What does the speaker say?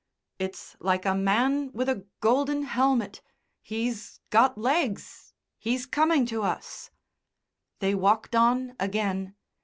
"It's like a man with a golden helmet. He's got legs, he's coming to us." They walked on again.